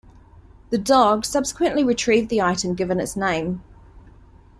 The dog subsequently retrieved the item given its name.